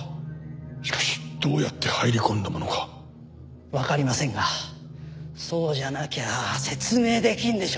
しかしどうやって入り込んだものか？わかりませんがそうじゃなきゃ説明できんでしょう。